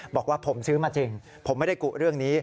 บอกว่าผมซื้อมาจริงผมไม่ได้กุเรื่องนี้